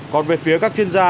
còn về phía các chuyên gia